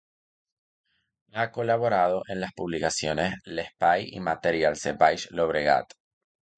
Ha colaborado en las publicaciones L’Espai y Materials del Baix Llobregat.